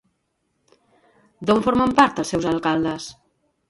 D'on formen part els seus alcaldes?